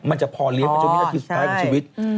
มันจะพอเลี้ยงไปจนวินาทีสุดท้ายของชีวิต